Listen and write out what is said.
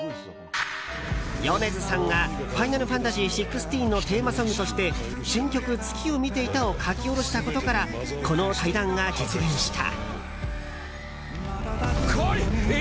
米津さんが「ファイナルファンタジー１６」のテーマソングとして新曲「月を見ていた」を書き下ろしたことからこの対談が実現した。